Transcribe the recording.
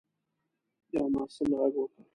یوه محصل غږ وکړ.